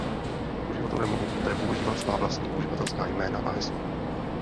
Uživatelé mohou poté používat svá vlastní uživatelská jména a hesla.